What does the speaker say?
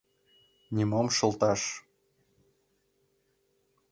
Нимом шылташ.